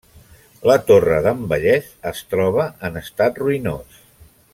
La torre d'en Vallès es troba en estat ruïnós.